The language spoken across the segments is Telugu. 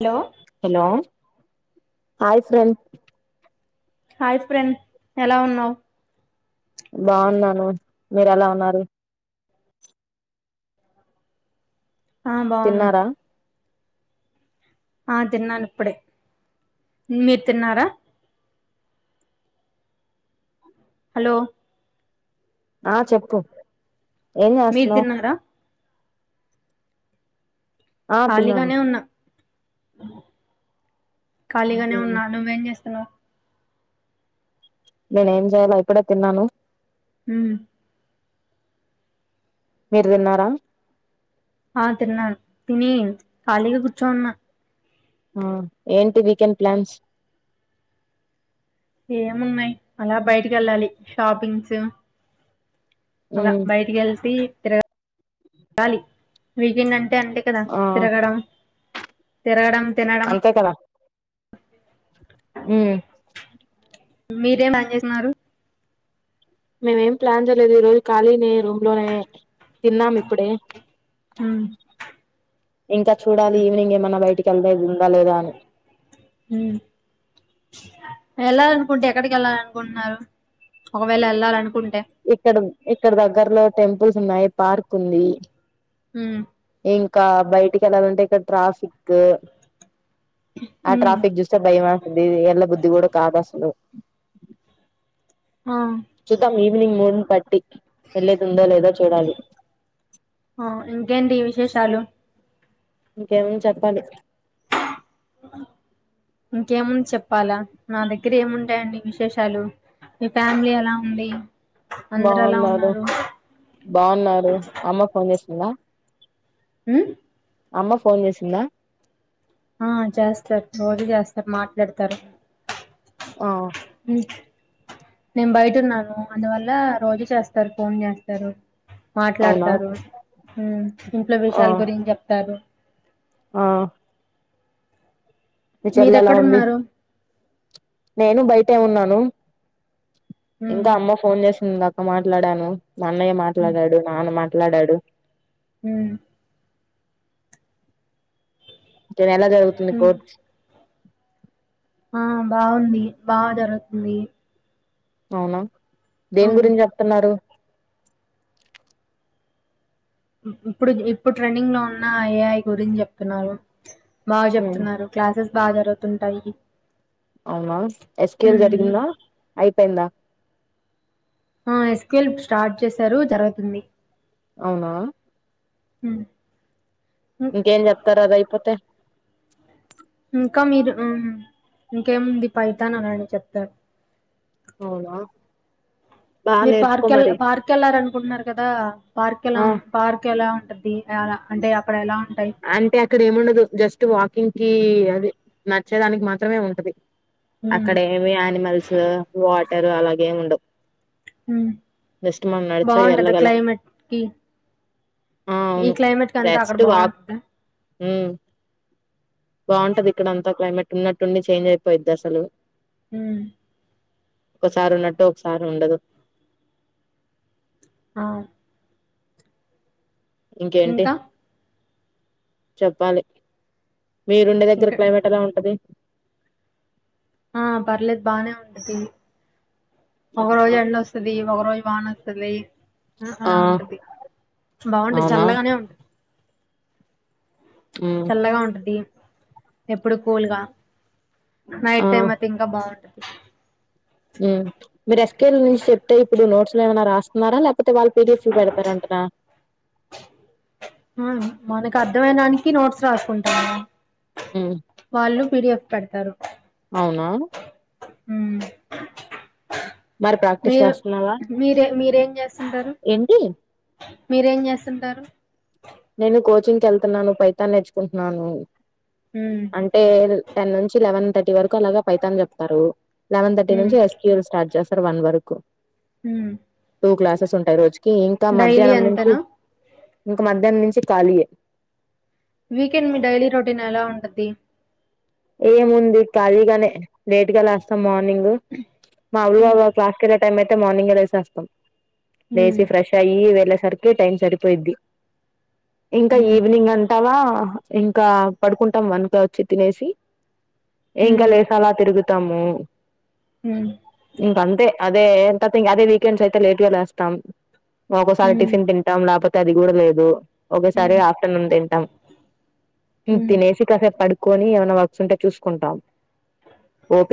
Hello hello hi friend. Hi friend ఎలా ఉన్నావ్. బావున్నాను మీరు ఎలా ఉన్నారు. ఆ బావున్నా. తిన్నారా ఆ తిన్నాను ఇప్పుడే మీర్ తిన్నారా. హలో ఆ చెప్పు ఏం మీరు జేసున్నావ్ తిన్నారా ఆ తిన్నాను ఖాళీగానే ఉన్నా. ఖాళీగానే ఉన్నా నువ్వేం జెస్తున్నావ్. నేను ఏం జేయలే ఇప్పుడే తిన్నాను. ఉహు మీర్ విన్నారా. ఆ తిన్నాను నీ ఖాళీగా కూర్చో ఉన్నా. ఆ ఏంటి వీకెండ్ ప్లాన్స్. ఏమున్నాయ్ అలా బయటికి ఏళ్ళాలి షాపింగ్సు. అలా ఉమ్ బయటికి ఏలసి తిరగాలీ వికెండన్ టే అండి కదా ఆ తిరగడం తిరగడం. తినడం అంతే కదా ఉహ్ మీరేం బాన్ జేసున్నారు. మేమేం ప్లాన్ జేయలేదు. ఈ రోజు ఖాళీనే రూమ్ లోనే తిన్నాము ఇప్పుడే. ఉహ్ ఇంకా చూడాలి ఈవినింగ్ ఏమన్నా బయటికి వెళ్దే ఉందా లేదా అని ఉహ్ ఏళ్ళాలనుకుంటే ఎక్కడికి ఏళ్లల్ అనుకుంటున్నారు. ఒకవేళ ఏళ్ళాలనుకుంన్ ఇక్కడున్ ఇక్కడ దగ్గరలో టెంపుల్స్ ఉన్నాయి పార్క్ ఉంది. ఉహ్ ఇంకా బయటికి ఏళ్లాలంటే ఇక్కడ ట్రాఫికు ఆ ఉమ్ ట్రాఫిక్ జూస్తే భయం ఆస్తుది. ఎలా బుద్ధి కూడా కాదు అసలు. ఆ చూద్దాం ఈవినింగ్ మూడన్ బట్టి వెళ్ళదు ఉందో లేదో చూడాలి. ఏ షాలు ఇంకేమి చెప్పాలి. ఇంకేముంది చెప్పాలా నా దగ్గర ఏముంటాయండి విశేషాలు. మీ ఫ్యామిలీ ఎలా ఉంది. అందరు ఎలా బావున్నారు ఉన్నారు బావున్నారు అమ్మ ఫోన్ జేసిందా. ఉహ్ అమ్మ ఫోన్ జేసిందా. ఆ చేస్తార్ రోజూ జేసర్ మాట్లాడతారు. ఆ ఇంక్ నేను బయట ఉన్నాను. అందువల్ల రోజు చేస్తారు ఫోన్ జేస్తారు. అవునా మాట్లాడతారు హు ఇంట్లో విషయాల గురించి చెప్తారు. ఆవు ఉంది మీరెక్కడున్నారు నేను బయటే ఉన్నాను ఉమ్ ఇంకా అమ్మ ఫోన్ చేసింది ఇందాక మాట్లాడాను మా అన్నయ్ మాట్లాడాడు నాన్న మాట్లాడాడు మ్మ్ తిను ఎలా జరుగుతుంది కోచ్ ఆ బాగుంది బాగా జరుగుతుంది అవునా దేని ఉమ్, గురించి చెప్తున్నారు ఇప్పుడు ఇప్పుడు ట్రెండింగ్ లో ఉన్న ఏఐ గురించి చెప్తున్నారు బాగా ఉమ్ చెప్తున్నారు క్లాసెస్ బాగా జరుగుతుంటాయి అవునా ఎస్. క్యు. ఎల్ ఉమ్, జరిగిందా అయిపోయిందా ఆ ఎస్. క్యూ. ఎల్ స్టార్ట్ చేసారు జరుగుతుంది అవునా మ్మ్ ఇంకేం చెప్తారు అదయిపోతే ఇంకా మీరు ఆ ఇంకేముంది పైతాన్ అలానే చెప్తారు అవునా బాగా మీరు నేర్చుకో పార్క్ ఎల్ మరి పార్క్ వెళ్లారనుకుంటున్నారు కదా పార్క్ ఎలా ఆ వుంద్ పార్క్ ఎలా ఉంటద్ధి చాలా అంటే అప్పుడు ఎలా ఉంటాయి అంటే అక్కడ ఏముండదు జస్ట్ వాకింగ్ కి అది నడ్చేదానికి మాత్రమే ఉంటది ఉమ్, అక్కడ ఏమి యానిమల్స్ వాటరు అలాగేమి ఉండవు ఉమ్, జస్ట్ మనం నడిచే బాగుంటది ఎల్లగలం క్లైమేట్ కి ఆ ఈ అవును క్లైమేట్ కంతా అక్కడ జస్ట్ వాక్ బాగుంటదా మ్మ్ బాంటది ఇక్కడ అంతా క్లైమేట్ ఉన్నట్టుండి చేంజ్ అయిపోయిద్ది అసలు మ్మ్ ఒకసారి ఉన్నట్టు ఒకసారి ఉండదు ఆవు ఇంకేంటి ఇంకా చెప్పాలి మీరుండే దగ్గర ఇక్కడ క్లైమేట్ ఎలా ఉంటది ఆ పర్లేదు బానే ఉంటది ఒగ అవునా? రోజు ఎండ వస్తది ఒగ రోజు వాన వస్తది ఆ అలా ఉంటది బాగుంటది అవునా చల్లగానే ఉంటది ఉమ్ చల్లగా ఉంటది ఎప్పుడు కూల్గా నైట్ ఆ టైమ్ అయితే ఇంకా బాగుంటది మీరు ఎస్. క్యు. ఎల్ నుంచి చెప్తే ఇప్పుడు నోట్స్లు ఏమైనా రాస్తున్నారా లేక పోతే వాళ్ళు పి. డి. ఎఫ్ పెడతారంటనా ఆ మనకు అర్థమయడానికి నోట్స్ రాసుకుంటాం హ్మ్. వాళ్ళు పి. డి. ఎఫ్ పెడతారు అవునా మ్మ్ మరి ప్రాక్టీస్ మీరు చేస్తున్నావా? మీరే మీరేం చేస్తుంటారు ఏంటి? మీరేం చేస్తుంటారు నేను కోచింగ్కి వెళ్తున్నాను పైతాన్ నేర్చుకుంటున్నాను ఉమ్ అంటే టెన్ నుంచి లెవెన్ థర్టీ వరకు అలాగ పైతన్ చెప్తారు లెన్ థర్టీ ఉమ్ నుంచి ఎస్. క్యు. ఎల్ స్టార్ట్ చేస్తారు ర్ వన్ వరకు ఉమ్ టూ క్లాసెస్ ఉంటాయి రోజుకి ఇంకా డైలీ మధ్యాహ్నం నుంచి అంతేనా ఇంకా మధ్యా దనం నుంచి ఖాళీయే వీకెండ్ మీ డైలీ రొటీన్ ఎలా ఉంటది ఏ ముంది కాళీగానే లేట్ గా లేస్తాం మార్నింగ్ హ్మ్ మాములుగా క్లాస్కి వెళ్ళే టైం అయితే మార్నింగ్గే లేసేస్తాం హ్మ్ లేచి ఫ్రెష్ అయ్యి వెళ్ళేసరికి టైం సరిపోయిద్ది ఇంకా హ్మ్ ఈవినింగ్ అంటావా ఇంకా పడుకుంటాం వన్ కలా వచ్చి తినేసి ఏంకా హ్మ్ లేసాలా తిరుగుతాము హ్మ్ ఇంకా అంతే అదే ఎంత అదే వీకెండ్స్ అయితే లేట్గా లేస్తాం ఒక్కోసారి హ్మ్ టిఫిన్ తింటాం లేకపోతే అది కూడా లేదు ఒకసారి హ్మ్ ఆఫ్టర్నూన్ తింటాం ఉ హ్మ్ తినేసి కాస పడుకొని ఏమైనా వర్క్స్ ఉంటే చూసుకుంటాం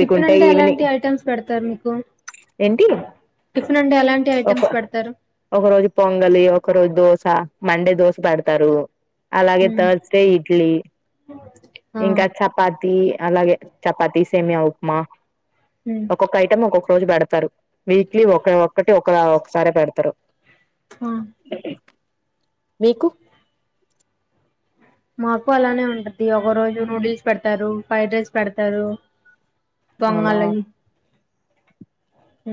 టిఫిన్ అంటే ఎలాంటి ఈవినింగ్ ఐటమ్స్ పెడతారు మీకు ఏంటి టిఫిన్ అంటే ఎలాంటి ఒక ఐటమ్స్ పెడతారు ఒక రోజు పొంగలి ఒక రోజు దోస అ మండే దోశ పెడతారు అలాగే హ్మ్ తాస్ డే ఇడ్లీ ఆ ఇంకా చ తి అలాగే చపాతి సేమయా ఉప్మా హ్మ్ ఒక్కొక్క ఐటం ఒక్కొక్క రోజు పెడతారు వీక్లీ ఒక ఒక్కటి ఒక ఒకసార పెడతారు ఆ మీకు మాకు అలానే ఉంటది ఒక రోజు నూడిల్స్ పెడతారు ఫ్రైడ్ రైస్ పెడతారు పొంగలి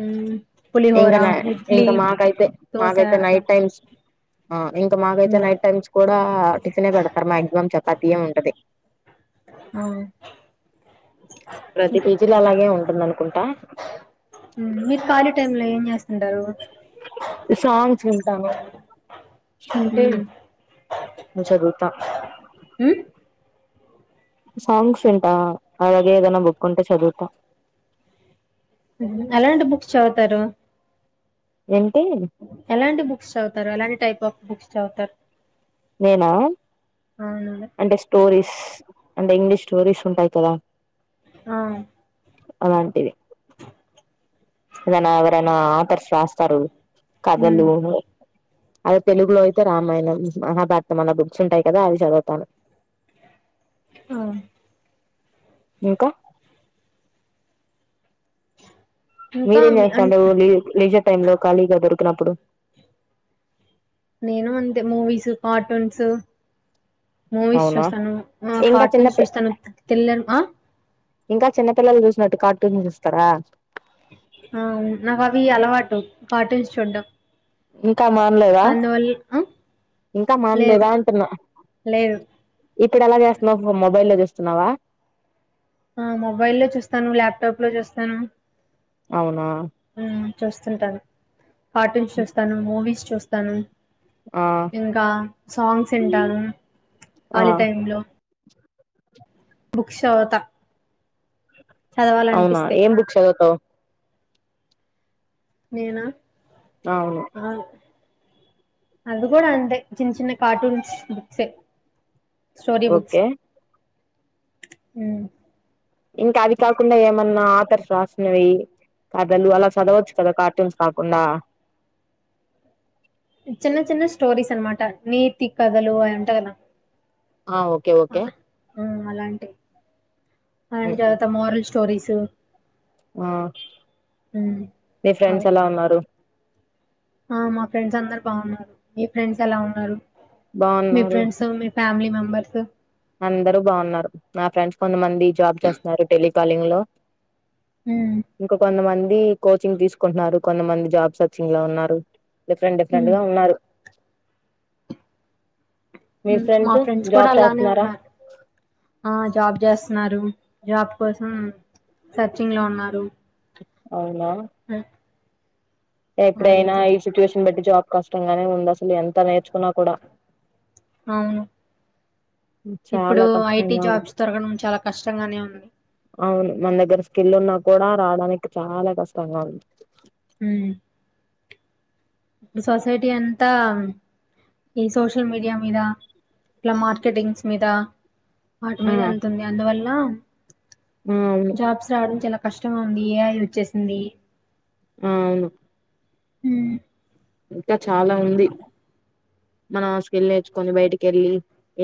ఊ ఇంకా న ఇంకా మాకైతే దోశ మాకైతే అట్లా నైట్ టైమ్స్ ఆ ఇంకా మాకైతే హ్మ్ నైట్ టైమ్స్ కూడా టిఫిన్ ఏ పెడతారు మాక్సమమ్ చపాతీ ఏ ఉంటది ఆ ప్రతి ఇంక పేజీలో అలాగే ఉంటుందనుకుంటా ఊ మీరు ఖాళీ టైమ్ లో ఏం చేస్తుంటారు సాంగ్స్ వింటాను ఉంటే హ్మ్ నువ్ చదుత హ్మ్ సాంగ్స్ వింటా అలాగే ఏదనా బుక్ ఉంటే చదువుతా ఊ అలాంటి బుక్స్ చవుతారు ఎం ఎలాంటి బుక్స్ చవుతారు ఎలాంటి టైప్ ఆఫ్ బుక్స్ చదువుతారు నేనా అవునండి అంటే స్టోరీస్ అంటే ఇంగ్లీష్ స్టోరీస్ ఉంటాయి కదా ఆ అలాంటివి ఏదైనా ఎవరైనా ఆదర్స్ రాస్తారు కథలు ఉమ్ ఊ ని అద తెలుగులో అయితే రామాయణం మహాభారతం అలా బుక్స్ ఉంటాయి కదా అది చదువుతాను ఆ ఇంకా ఇంకా మీరేం మీ అన్ చేస్తాండ లీ లీజర్ టైమ్ లో ఖాళీగా దొరికినప్పుడు నేను అంతే మూవీస్ కార్టూన్స్ మూవీస్ అవునా చూస్తాను ఆ ఇంకా చిన్న కార్టూన్స్ పి చూస్తాను తెలియని ఆ ఇంకా చిన్నపిల్లలు చూసినట్టు కార్టూన్ చూస్తారా ఆ నాకు అవీ అలవాటు కార్టూన్స్ చూడ్డం ఇంకా మాన్లేదా అందువల్ల ఆ ఇంకా మాన్లేదా లేదు అంటున్నా లేదు ఇప్పుడు ఎలా జేస్తున్నావ్ మొ మొబైల్లో జేస్తున్నావా ఆ మొబైల్ లో చూస్తాను ల్యాప్టాప్ లో జూస్తాను అవునా ఊమ్ చూస్తుంటాను కార్టూన్స్ చూస్తాను మూవీస్ చూస్తాను ఆ ఇంకా సాంగ్స్ ఇంటాను ఆ ఖాళి టైమ్ లో బుక్స్ చవుత అవునా ఏం బుక్ చదువుతావ్ నేనా అవును ఆ అది గూడా అంతే చిన్న చిన్న కార్టూన్స్ బుక్సే స్టోరీ బుక్స్ ఓకే ఉ ఇంకా అవి కాకుండా ఏమన్నా ఆథర్స్ రాసినవి కథలు అలా చదవచ్చు కదా కార్టూన్స్ కాకుండా చిన్న చిన్న స్టోరీస్ అనమాట నీతి కథలు అయ్ ఉంటదిలా ఆ ఓకే ఓకే ఆ అలాంటి అయన్ జారత మోరల్ స్టోరీసు ఆ నీ అవే ఫ్రెండ్స్ ఎలా ఉన్నారు ఆ మా ఫ్రెండ్స్ అందరు బాగున్నారు మీ ఫ్రెండ్స్ ఎలా ఉన్నారు మీ బాగున్నారు ఫ్రెండ్స్ మి ఫ్యామిలీ మెంబర్స్ అందరూ బాగున్నారు నా ఫ్రెండ్స్ కొంతమంది జాబ్ చేస్తున్నారు టెలికాలింగ్ లో మ్మ్ ఇంక కొంతమంద్ దీ కోచింగ్ తీసుకుంటున్నారు, కొంతమంది జాబ్స్ సర్చింగ్ లో ఉన్నారు, డిఫరెంట్ డిఫరెంట్ మ్మ్ గా ఉన్నారు. మీ ఉ మా ఫ్రెండ్స్ కూడా జాబ్ అలానే చేస్తున్నారా ఉన్నారు ఆ జాబ్ చేస్తున్నారు జాబ్ కోసం సర్చింగ్ లో ఉన్నారు అవునా ఎక్డైనా అవును ఈ సిచ్యువేషన్ బట్టి జాబ్ కష్టంగానే ఉంది అసలు ఎంత నేర్చుకున్నా కూడా అవును ఇప్పుడూ చాలా ఐటి కష్టంగా ఉంది జాబ్స్ దొరకడం చాలా కష్టంగానే ఉంది అవును మన దగ్గర స్కిల్ ఉన్నా కూడా రాడానికి చాలా కష్టంగా ఉంది ఊ డు సొసైటీ అంతా ఈ సోషల్ మీడియా మీద ఇట్ల మార్కెటింగ్స్ మీద వాటి ఆ మీద ఎళ్తుంది అందువల్ల ఆ అవును జాబ్స్ రాడం చాల కష్టంగా ఉంది ఏ ఐ వచ్చేసింది ఆ అవును హూ ఇంకా చాల ఉంది మనం ఆ స్కిల్ నేర్చుకొని బయటికెళ్ళి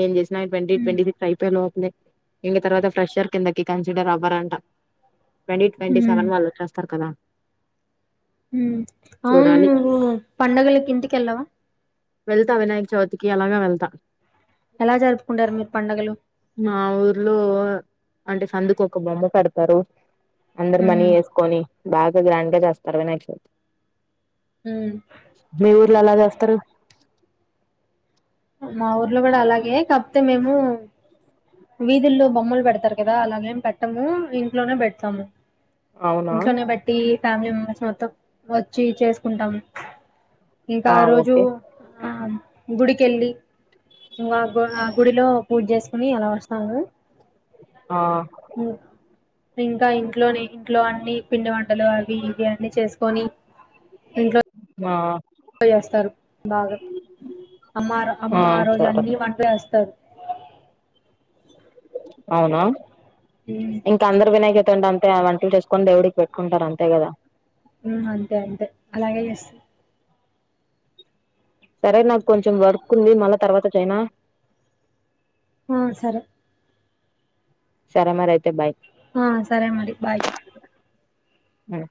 ఏం జేస్ నాయి ట్వంటీ ఉమ్, ట్వంటీ సిక్స్ అయిపోయే లోపలే ఇంగ తర్వాత ఫ్రెషర్ కింద కా కన్సిడర్ అవ్వరంట ట్వంటీ ట్వంటీ ఉమ్, సెవెన్ వాళ్ళు ఒచ్చేస్తారు కదా ఊ అవును చూడాలి నువ్వూ పండగలికి ఇంటకి ఎళ్లవ వెళ్తా వినాయక చవితికి అలాగ వెళ్తా ఎలా జరుపుకుంటారు మీరు పండుగలు మా ఊర్లో అంటే సందుకు ఒక బొమ్మ పెడతరు అందరు మనీ ఉమ్, ఏసుకోని బాగా గ్రాండ్ గా చేస్తారు వినాయక చవితి ఉమ్. మీ ఊర్లో ఎలా జేస్తరు మా ఊర్లో కూడా అలాగే కాకపోతే మేము వీధిల్లో బొమ్మలు పెడుతారు కదా అలాగేం పెట్టము ఇంట్లోనే పెడుతాము అవునా ఇంట్లోనే పెట్టి ఫ్యామిలీ మెంబెర్స్ మొత్తం వచ్చి చేసుకుంటాము ఇంకా ఆ రోజు ఆ గుడికి వెళ్ళి ఇంకా ఆ గ్ గుడిలో పూజ చేసుకుని అలా వస్తాము ఆ ఇంకా ఇంట్లోనే ఇంట్లో అన్ని పిండి వంటలు అవి ఇవి అన్నీ చేసుకొని ఇంట్లో ఆ చేస్తారు బాగా అమ్మ అమ్మ ఆ రోజు అన్ని వంట వస్తారు అవునా ఉమ్, ఇంకా అందరు వినాయక చవితి అంతే ఆ వంటలు చేసుకొని దేవుడికి పెట్టుకుంటారు అంతే కదా మ్ అంతే అంతే అలాగే చేస్ సరే నాకు కొంచెం వర్క్ ఉంది మళ్ళా తర్వాత చైనా ఆ సరే సరే మరి అయితే బాయ్ ఆ సరే మరి బాయ్ మ్